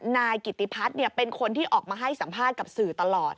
นายกิติพัฒน์เป็นคนที่ออกมาให้สัมภาษณ์กับสื่อตลอด